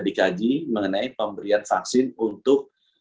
dikaji mengenai pemberian vaksin untuk